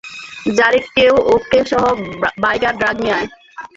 যারে কেউ, ওকে সহ, বাইক আর ড্রাগ নিয়ে আয়।